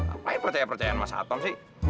apa yang percaya percayaan masa satpam sih